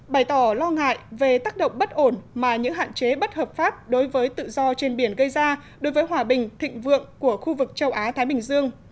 bày tỏ lo ngại về tác động bất ổn mà những hạn chế bất hợp pháp đối với tự do trên biển gây ra đối với hòa bình thịnh vượng của khu vực châu á thái bình dương